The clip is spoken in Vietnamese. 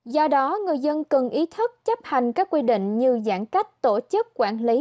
do đó người dân cần ý thức chấp hành các quy định như giãn cách tổ chức quản lý